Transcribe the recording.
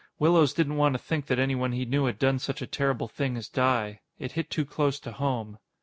Willows didn't want to think that anyone he knew had done such a terrible thing as die. It hit too close to home.